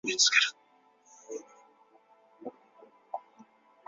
蒙藏委员会驻藏办事处处长沈宗濂对此作出了宝贵的贡献。